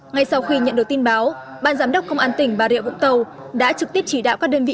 ngay sau khi nhận được tin báo ban giám đốc công an tỉnh bà rịa vũng tàu đã trực tiếp chỉ đạo các đơn vị